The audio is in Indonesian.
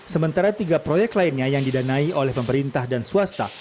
sementara tiga proyek lainnya yang didanai oleh pemerintah dan swasta